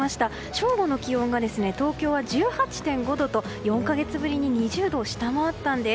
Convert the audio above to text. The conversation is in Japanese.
正午の気温が東京は１８．５度と４か月ぶりに２０度を下回ったんです。